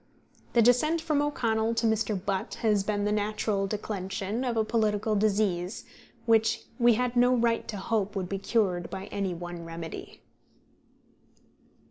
The descent from O'Connell to Mr. Butt has been the natural declension of a political disease, which we had no right to hope would be cured by any one remedy.